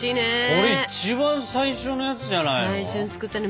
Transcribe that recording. これ一番最初のやつじゃないの？